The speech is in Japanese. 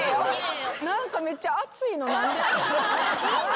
何かめっちゃ熱いの何で？